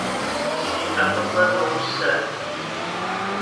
Si 'e f'ıç'e no'use!